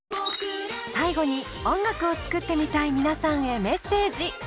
最後に音楽を作ってみたい皆さんへメッセージ。